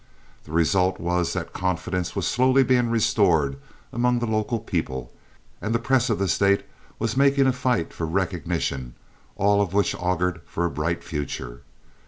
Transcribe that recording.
The result was that confidence was slowly being restored among the local people, and the press of the State was making a fight for recognition, all of which augured for a brighter future.